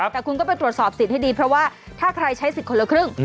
แต่คุณก็ไปตรวจสอบสิทธิ์ให้ดีเพราะว่าถ้าใครใช้สิทธิ์คนละครึ่ง